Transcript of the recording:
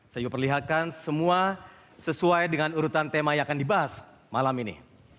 saya juga perlihatkan semua sesuai dengan urutan tema yang akan dibahas malam ini